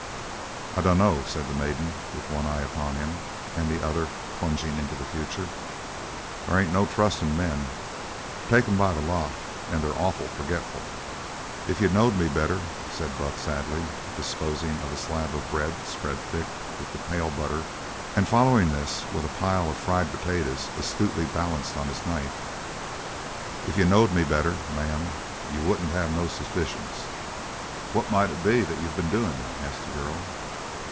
"I dunno," said the maiden, with one eye upon him and the other plunging into the future. "There ain't no trusting men. Take 'em by the lot and they're awful forgetful." "If you knowed me better," said Buck sadly, disposing of a slab of bread spread thick with the pale butter and following this with a pile of fried potatoes astutely balanced on his knife. "If you knowed me better, ma'am, you wouldn't have no suspicions." "What might it be that you been doin'?" asked the girl.